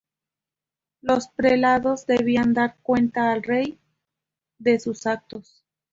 Los prelados debían dar cuenta al Rey de sus actos.